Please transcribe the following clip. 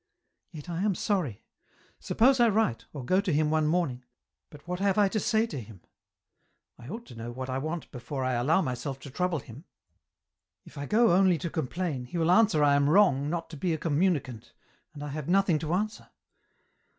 Yet I am sorry ; suppose I write, or go to him one morn ing, but what have I to say to him ? I ought to know what I want before I allow myself to trouble him. If I go only to complain, he will answer I am wrong not to be a com municant, and I have nothing to answer.